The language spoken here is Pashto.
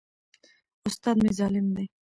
استاد مي ظالم دی.